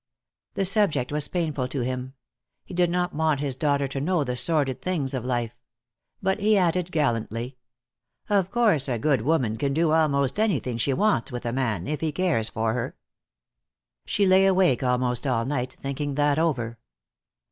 The subject was painful to him. He did not want his daughter to know the sordid things of life. But he added, gallantly: "Of course a good woman can do almost anything she wants with a man, if he cares for her." She lay awake almost all night, thinking that over.